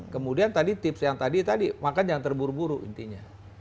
kemudian tadi tips yang tadi tadi makan yang terburu buru intinya